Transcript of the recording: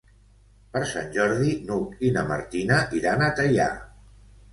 Per Sant Jordi n'Hug i na Martina iran a Teià.